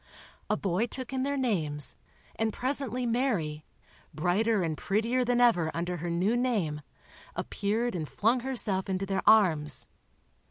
A boy took in their names, and presently Mary, brighter and prettier than ever under her new name, appeared and flung herself into their arms.